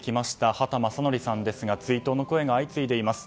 畑正憲さんですが追悼の声が相次いでいます。